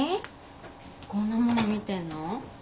こんなもの見てんの？